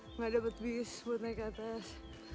tidak dapat bis untuk naik ke atas